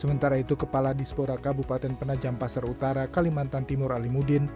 sementara itu kepala disporaka bupaten penajam pasar utara kalimantan timur alimudin